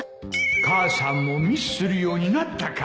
母さんもミスするようになったか